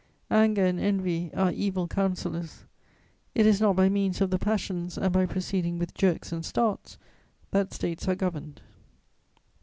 "Anger and envy are evil counsellors; it is not by means of the passions and by proceeding with jerks and starts that States are governed.